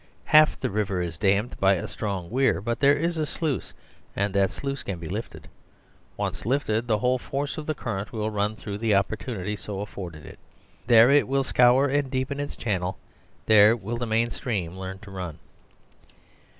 Half the river is dammed by a strong weir, but there is a sluice, and that sluice can be lifted. Once lifted, the whole force of the current will run through the opportunity so afforded it; there will it scour and deepen its channel ; there will the main stream learn to run.